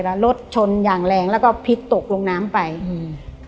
แล้วรถชนอย่างแรงแล้วก็พลิกตกลงน้ำไปอืม